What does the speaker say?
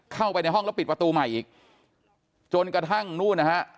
เข้าไปในห้องแล้วปิดประตูใหม่อีกจนกระทั่งนู่นนะฮะ